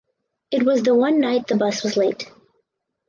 It was the one night the bus was late.